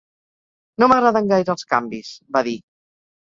"No m'agraden gaire els canvis", va dir.